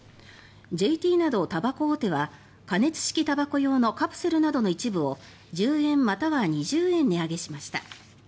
ＪＴなどたばこ大手は加熱式たばこ用のカプセルなどの一部を１０円または２０円値上げしました。